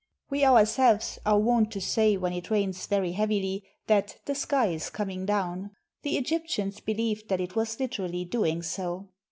We ourselves are wont to say, when it rains very heavily, that " the sky is coming down." The Egyptians believed that it was literally doing so.